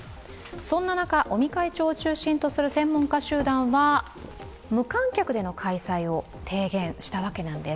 そんな中、尾身会長を中心とする専門家集団は無観客での開催を提言したわけなんです。